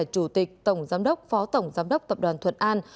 chủ tịch tổng giám đốc phó tổng giám đốc tập đoàn thuận an